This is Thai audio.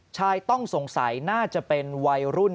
ชายต้องสงสัยน่าจะเป็นวัยรุ่น